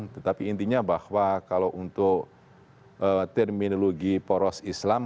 tetapi intinya bahwa kalau untuk terminologi poros islam